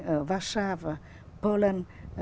ở warsaw và poland